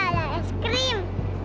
masih ada es krim